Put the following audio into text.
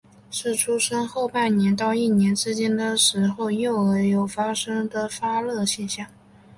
是出生后半年到一年之间的时候幼儿有发生的发热现象。